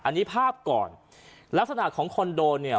อันนี้ภาพก่อนลักษณะของคอนโดเนี่ย